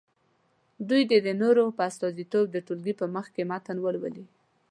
دوی دې د نورو په استازیتوب د ټولګي په مخکې متن ولولي.